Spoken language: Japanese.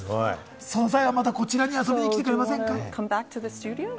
その際は、またこちらに遊びに来てくれませんか？